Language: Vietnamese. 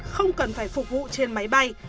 không cần phải phục vụ trên máy bay